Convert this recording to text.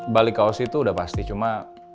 balik ke ausis itu udah pasti cuma